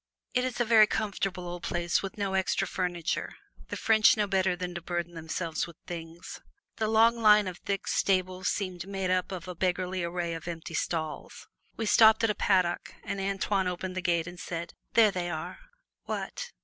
It is a very comfortable old place, with no extra furniture the French know better than to burden themselves with things. The long line of brick stables seemed made up of a beggarly array of empty stalls. We stopped at a paddock, and Antoine opened the gate and said, "There they are!" "What?"